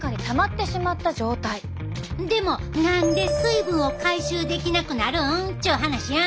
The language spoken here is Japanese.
でも何で水分を回収できなくなるんっちゅう話やん。